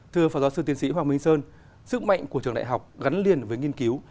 thưa phó giáo sư tiến sĩ hoàng minh sơn sức mạnh của trường đại học gắn liền với nghiên cứu